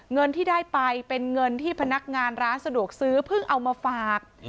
เงินที่ได้ไปเป็นเงินที่พนักงานร้านสะดวกซื้อเพิ่งเอามาฝาก